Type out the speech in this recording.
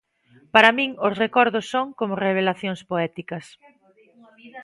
Para min os recordos son como revelacións poéticas.